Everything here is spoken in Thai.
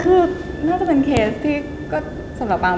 คือน่าจะเป็นเคสที่ก็สำหรับบาง